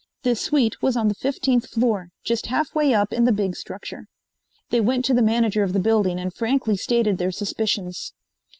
This suite was on the fifteenth floor, just half way up in the big structure. They went to the manager of the building and frankly stated their suspicions.